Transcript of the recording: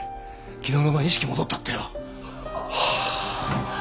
昨日の晩意識戻ったってよ。